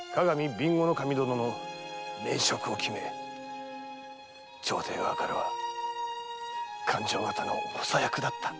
備後守殿の免職を決め朝廷側からは勘定役の補佐役だった亡き父上が！